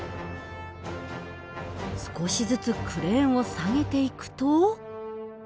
少しずつクレーンを下げていくと。